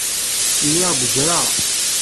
Lliɣ bezzreɣ.